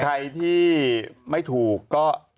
ใครที่ไม่ถูกก็